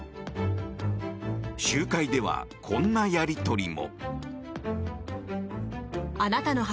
集会ではこんなやり取りも。